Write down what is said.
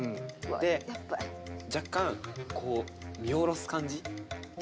で若干こう見下ろす感じ。